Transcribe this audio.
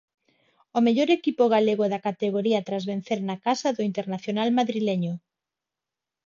O mellor equipo galego da categoría tras vencer na casa do Internacional madrileño.